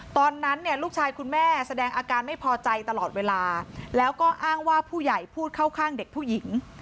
ตอนนั้นเนี่ยลูกชายคุณแม่แสดงอาการไม่พอใจตลอดเวลาแล้วก็อ้างว่าผู้ใหญ่พูดเข้าข้างเด็กผู้หญิง